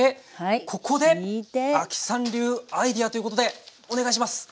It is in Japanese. ここで亜希さん流アイデアということでお願いします！